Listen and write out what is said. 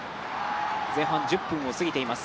前半１０分を過ぎています。